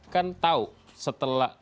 kan tau setelah